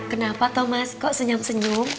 kenapa thomas kok senyam senyum